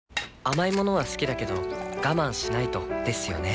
甘い物は好きだけど我慢しないとですよね